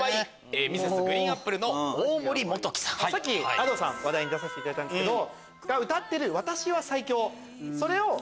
さっきＡｄｏさん話題に出させていただいたんですけど。